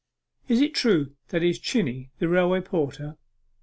'Is it true that he is Chinney, the railway porter?